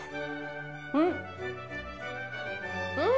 うん！